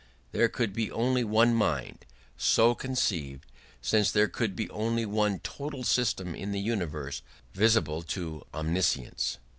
There could be only one mind, so conceived, since there could be only one total system in the universe visible to omniscience.